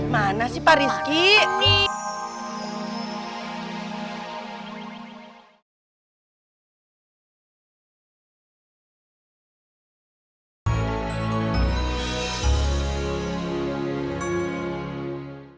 mana sih pak rizky